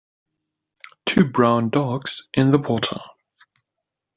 Two brown dogs in the water.